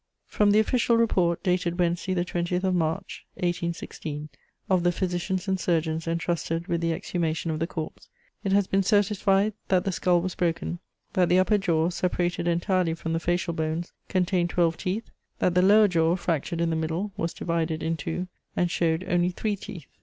From the official report, dated Wednesday the 20th of March 1816, of the physicians and surgeons entrusted with the exhumation of the corpse, it has been certified that the skull was broken, that "the upper jaw, separated entirely from the facial bones, contained twelve teeth; that the lower jaw, fractured in the middle, was divided in two, and showed only three teeth."